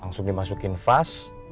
langsung dimasukin vas